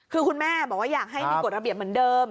คือคุณแม่บอกว่าอยากให้มีกฎระเบียบเหมือนเดิม